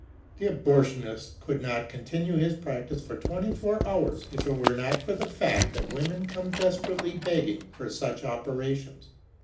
The abortionist could not continue his practice for twenty four hours if it were not for the fact that women come desperately begging for such operations.